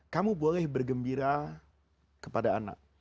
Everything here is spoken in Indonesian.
kamu boleh bergembira kepada anak